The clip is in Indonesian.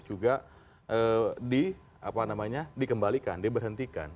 juga dikembalikan diberhentikan